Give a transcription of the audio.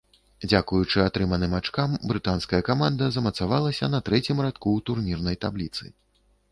Дзякуючы атрыманым ачкам бранская каманда замацавалася на трэцім радку ў турнірнай табліцы.